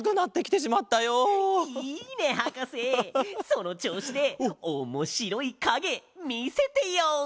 そのちょうしでおもしろいかげみせてよ！